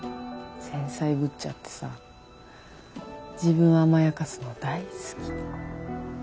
繊細ぶっちゃってさ自分を甘やかすのが大好き。